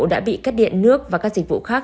đã bị cắt điện nước và các dịch vụ khác